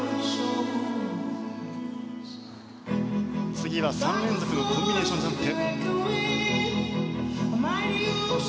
次は３連続のコンビネーションジャンプ。